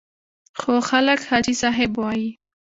خو خلک حاجي صاحب وایي.